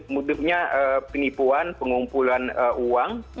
modusnya penipuan pengumpulan uang